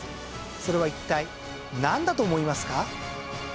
それは一体なんだと思いますか？